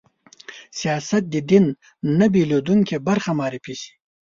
سیاست د دین نه بېلېدونکې برخه معرفي شي